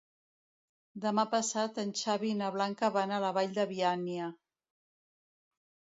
Demà passat en Xavi i na Blanca van a la Vall de Bianya.